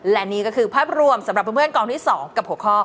และนี่ก็คือภาพรวมสำหรับเพื่อนกองที่๒กับ๖ข้อ